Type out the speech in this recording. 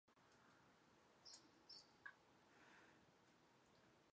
好员警也会保护受审者不受坏员警的侵犯。